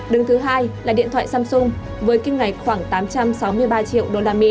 đứng thứ hai là điện thoại samsung với kim ngạch khoảng tám trăm sáu mươi ba triệu usd